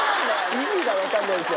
意味が分かんないですよ